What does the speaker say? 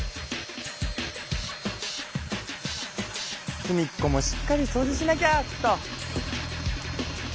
すみっこもしっかりそうじしなきゃっと。